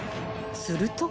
［すると］